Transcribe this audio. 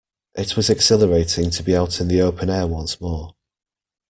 It was exhilarating to be out in the open air once more.